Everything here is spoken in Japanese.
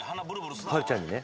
はるちゃんにね